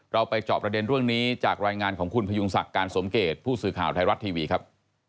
ไปจอบประเด็นเรื่องนี้จากรายงานของคุณพยุงศักดิ์การสมเกตผู้สื่อข่าวไทยรัฐทีวีครับ